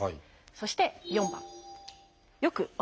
そして４番。